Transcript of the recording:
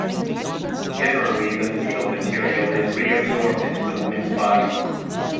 Generally, the fetal material is reabsorbed into the woman's body.